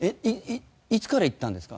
いつから行ったんですか？